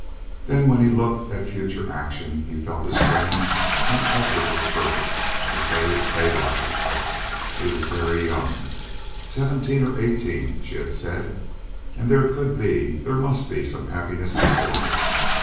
Then when he looked at future action he felt a strange, unalterable purpose to save Fay Larkin. She was very young seventeen or eighteen, she had said and there could be, there must be some happiness before her.